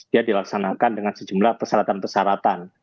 dia dilaksanakan dengan sejumlah persyaratan persyaratan